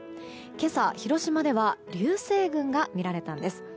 今朝、広島では流星群が見られたんです。